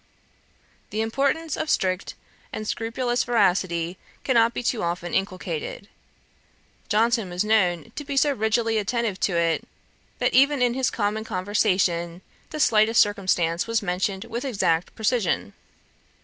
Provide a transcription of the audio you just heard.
The importance of strict and scrupulous veracity cannot be too often inculcated. Johnson was known to be so rigidly attentive to it, that even in his common conversation the slightest circumstance was mentioned with exact precision.